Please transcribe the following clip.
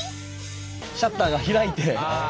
シャッターが開いて。